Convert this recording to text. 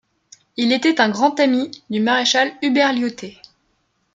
Il était un grand ami du maréchal Hubert Lyautey.